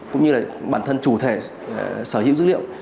cũng như là bản thân chủ thể sở hữu dữ liệu